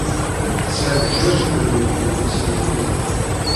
Tesɛiḍ kra n termit deg ussenzi?